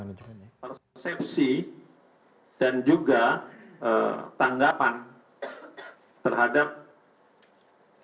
kita melakukan persepsi dan juga tanggapan terhadap kejadian yang ada